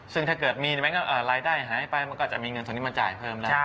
ซึ่งถ้าเกิดมีมันก็รายได้หายไปมันก็จะมีเงินส่วนนี้มาจ่ายเพิ่มแล้ว